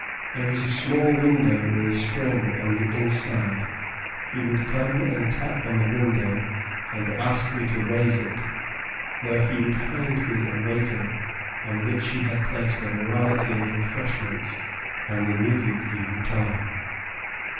There was a small window with a spring on the inside; he would come and tap on the window, and ask me to raise it, when he would hand me a waiter on which he had placed a variety of refreshments, and immediately retire.